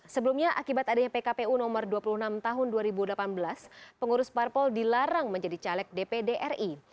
sebelumnya akibat adanya pkpu nomor dua puluh enam tahun dua ribu delapan belas pengurus parpol dilarang menjadi caleg dpd ri